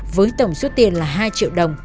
với tổng số tiền là hai triệu đồng